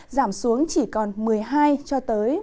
giảm xuống chỉ còn một mươi hai một mươi ba độ